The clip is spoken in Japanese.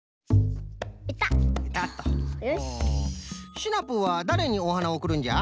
シナプーはだれにおはなをおくるんじゃ？